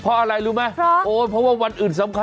เพราะอะไรรู้ไหมโอ๊ยเพราะว่าวันอื่นสำคัญ